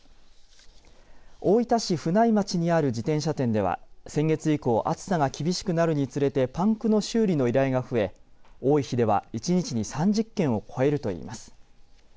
大分市府内町にある自転車店では先月以降暑さが厳しくなるにつれてパンクの修理の依頼が増え多い日では一日に３０件を超えるといいます。